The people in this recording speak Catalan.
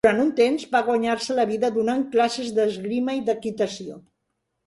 Durant un temps, va guanyar-se la vida donant classes d'esgrima i d'equitació.